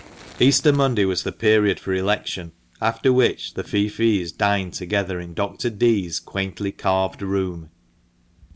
Easter Monday was the period for election, after which the feoffees dined together in Dr. Dee's quaintly carved room.